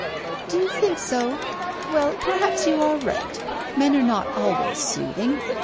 "Do you think so? Well, perhaps you are right. Men are not always soothing.